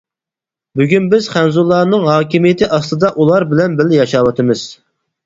بۈگۈن بىز خەنزۇلارنىڭ ھاكىمىيىتى ئاستىدا ئۇلار بىلەن بىلە ياشاۋاتىمىز.